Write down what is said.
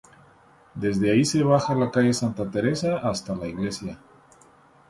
Desde allí se baja la calle Santa Teresa hasta la Iglesia.